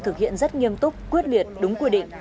thực hiện rất nghiêm túc quyết liệt đúng quy định